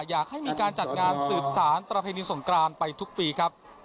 อยากให้มีการจัดงานสืบสารประเพณีสงกรานไปทุกปีครับ